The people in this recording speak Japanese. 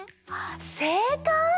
せいかい！